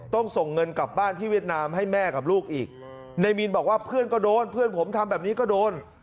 ส่งเงินกลับบ้านที่เวียดนามให้แม่กับลูกอีกนายมีนบอกว่าเพื่อนก็โดนเพื่อนผมทำแบบนี้ก็โดน